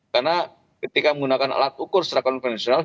karena ketika menggunakan alat ukur serta konvensional